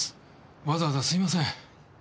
わざわざすいません。